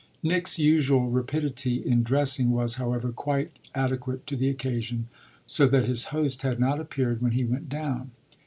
Nick's usual rapidity in dressing was, however, quite adequate to the occasion, so that his host had not appeared when he went down.